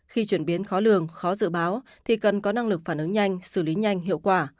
khi chuyển biến khó lường khó dự báo thì cần có năng lực phản ứng nhanh xử lý nhanh hiệu quả